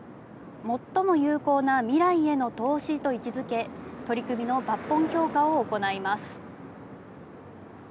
最も有効な未来への投資と位置づけ、取り組みの抜本強化を行います。